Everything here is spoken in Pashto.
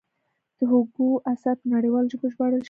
د هوګو اثار په نړیوالو ژبو ژباړل شوي دي.